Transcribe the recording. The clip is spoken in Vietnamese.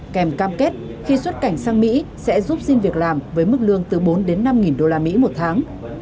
kèm cam kết khi xuất cảnh sang mỹ sẽ giúp xin việc làm với mức lương từ bốn năm nghìn đô la mỹ một tháng